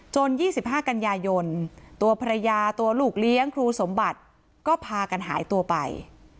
๒๕กันยายนตัวภรรยาตัวลูกเลี้ยงครูสมบัติก็พากันหายตัวไป